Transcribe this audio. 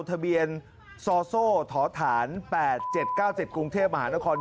ทะเบียนซอโซ่ถ๘๗๙๗กรุงเทพมหานคร